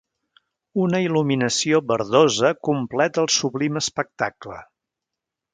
Una il·luminació verdosa completa el sublim espectacle.